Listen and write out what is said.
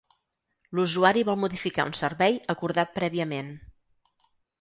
L'usuari vol modificar un servei acordat prèviament.